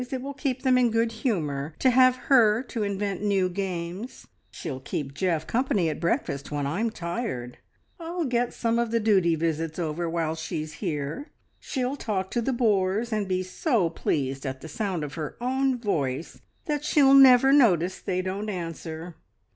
It will keep them in good humour to have her to invent new games. She'll keep Geoff company at breakfast when I'm tired. I'll get some of the duty visits over while she's here. She'll talk to the bores, and be so pleased at the sound of her own voice that she'll never notice they don't answer.